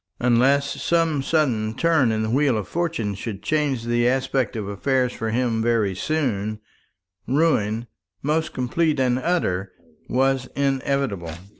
Unless some sudden turn in the wheel of fortune should change the aspect of affairs for him very soon, ruin, most complete and utter, was inevitable.